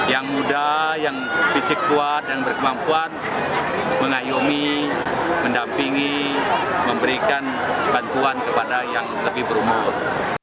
yang muda yang fisik kuat dan berkemampuan mengayomi mendampingi memberikan bantuan kepada yang lebih berumur